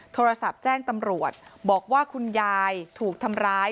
โทรศัพท์แจ้งตำรวจบอกว่าคุณยายถูกทำร้าย